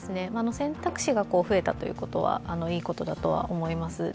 選択肢が増えたということはいいことだとは思います。